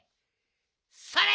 それ！